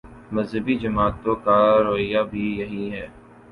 مذہبی جماعتوں کا رویہ بھی یہی ہے۔